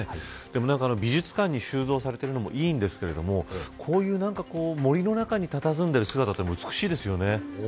美術館に収蔵されているのもいいんですが森の中にたたずんでいる姿も美しいですよね。